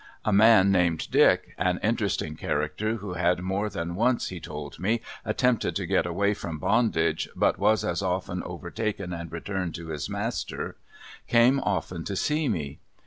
A man named Dick, an interesting character, who had more than once, he told me, attempted to get away from bondage, but was as often overtaken and returned to his master, came often to see me.